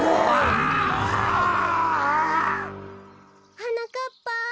はなかっぱ。